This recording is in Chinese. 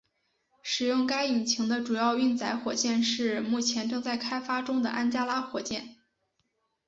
使用该引擎的主要运载火箭是目前正在开发中的安加拉火箭。